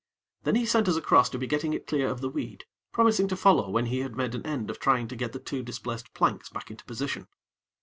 Then he sent us across to be getting it clear of the weed, promising to follow when he had made an end of trying to get the two displaced planks back into position.